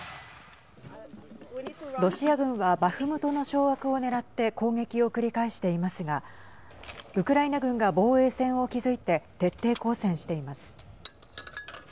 ロシア軍はバフムトの掌握を狙って攻撃を繰り返していますがウクライナ軍が防衛線を築いて徹底抗戦しています。